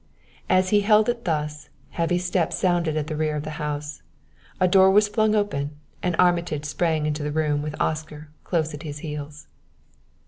As he held it thus, heavy steps sounded at the rear of the house, a door was flung open and Armitage sprang into the room with Oscar close at his heels.